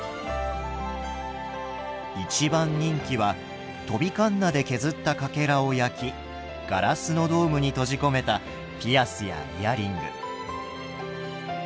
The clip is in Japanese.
一番人気は飛びかんなで削ったかけらを焼きガラスのドームに閉じ込めたピアスやイヤリング。